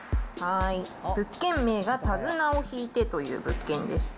物件名が手綱を引いてという物件でして。